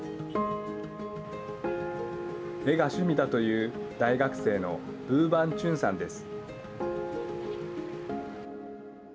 絵が趣味だという大学生のブー・バン・チュンさんです。